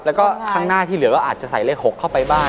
แล้วก็ข้างหน้าที่เหลือก็อาจจะใส่เลข๖เข้าไปบ้าง